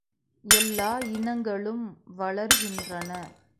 எல்லா இனங்களும் வளர்கின்றன.